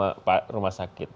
yang diterima rumah sakit